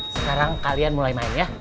sekarang kalian mulai main ya